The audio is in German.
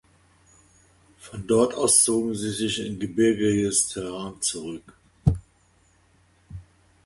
Von dort aus zogen sie sich in gebirgiges Terrain zurück.